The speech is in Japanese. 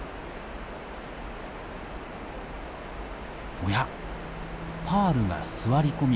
おやっパールが座り込み